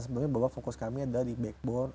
sebenarnya bahwa fokus kami adalah di backbone